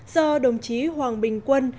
do đồng chí hoàng bình quân